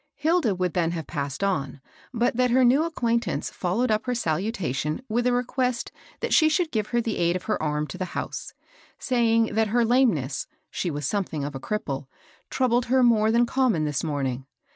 Hilda would then have passed on, but that her new ac quaintance followed up her salutation with a re quest that she would give her the aid of her arm to the house, saying that her lameness — she was something of a cripple — troubled her more than common this morning.